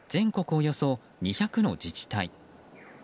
およそ２００の自治体。